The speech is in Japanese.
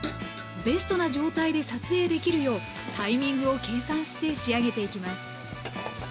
ベストな状態で撮影できるようタイミングを計算して仕上げていきます